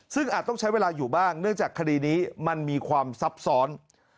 ซึ่งอาจต้องใช้เวลาอยู่บ้างเนื่องจากคดีนี้มันมีความซับซ้อน